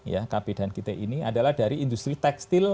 ya kp dan kit ini adalah dari industri tekstil